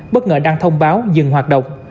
bất ngờ đang thông báo dừng hoạt động